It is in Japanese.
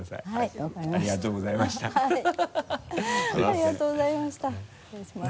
ありがとうございました失礼します。